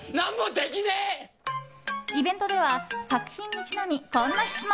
イベントでは作品にちなみ、こんな質問。